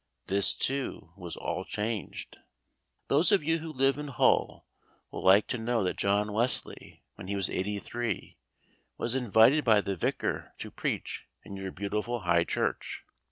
This, too, was all changed. Those of you who live in Hull will like to know that John Wesley, when he was eighty three, was invited by the vicar to preach in your beautiful High Church.